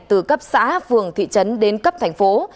từ cấp xã phường thị trấn đến cấp thành phố